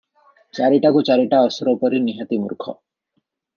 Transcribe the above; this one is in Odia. ଚାରିଟାକୁ ଚାରିଟା ଅସୁର ପରି ନିହାତି ମୂର୍ଖ ।